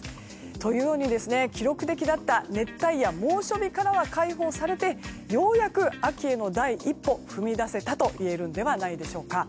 というように記録的だった熱帯夜猛暑日からは解放されてようやく秋への第一歩を踏み出せたといえるんではないでしょうか。